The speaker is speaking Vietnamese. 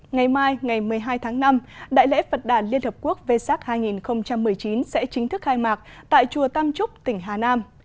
ngày mai ngày một mươi hai tháng năm đại lễ phật đàn liên hợp quốc vê sắc hai nghìn một mươi chín sẽ chính thức khai mạc tại chùa tam trúc tỉnh hà nam